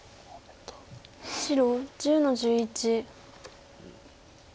白１０の十一。